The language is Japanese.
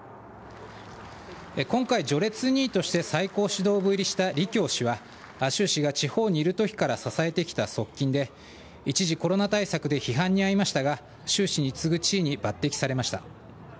今回、序列２位として最高指導部入りした李強氏は習氏が地方にいるときから支えてきた側近で一時、コロナ対策で批判に遭いましたが習氏に次ぐ地位に抜擢されました。